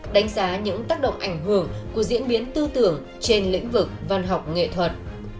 đánh giá những tác động ảnh hưởng của diễn biến tư tưởng trên lĩnh vực văn học nghệ thuật